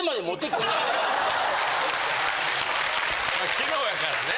昨日やからね。